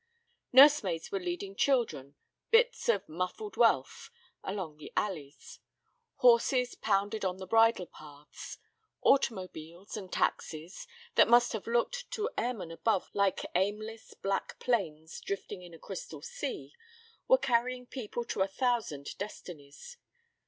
Nursemaids were leading children, bits of muffled wealth, along the alleys. Horses pounded on the bridle paths. Automobiles and taxis, that must have looked to the airman above like aimless black planes drifting in a crystal sea, were carrying people to a thousand destinies.